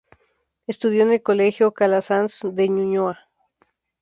Estudió en el Colegio Calasanz de Ñuñoa.